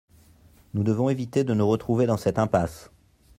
Nous devons éviter de nous retrouver dans cette impasse.